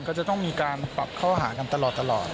ก็จะต้องมีการปรับเข้าหากันตลอด